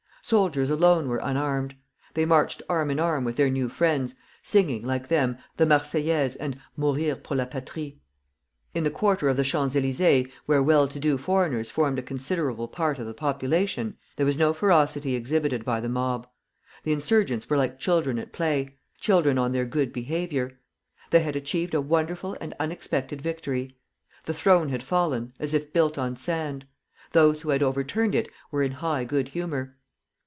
Soldiers alone were unarmed. They marched arm in arm with their new friends, singing, like them, the "Marseillaise" and "Mourir pour la Patrie." In the quarter of the Champs Elysées, where well to do foreigners formed a considerable part of the population, there was no ferocity exhibited by the mob. The insurgents were like children at play, children on their good behavior. They had achieved a wonderful and unexpected victory. The throne had fallen, as if built on sand. Those who had overturned it were in high good humor.